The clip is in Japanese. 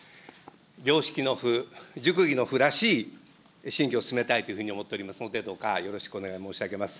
良識の府、熟議の府らしい、審議を進めたいというふうに思っておりますので、どうかよろしくお願い申し上げます。